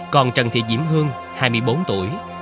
còn trần thị diễm hương hai mươi bốn tuổi